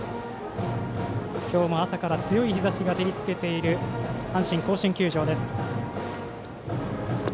今日も朝から強い日ざしが照りつけている阪神甲子園球場です。